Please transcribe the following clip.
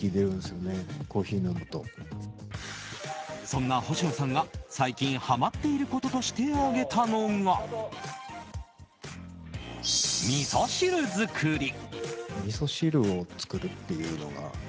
そんな星野さんが最近ハマっていることとして挙げたのが、みそ汁作り。